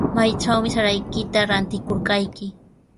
¿Maytrawmi saraykita ratikurqayki?